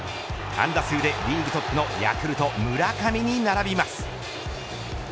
安打数でリーグトップのヤクルト、村上に並びます。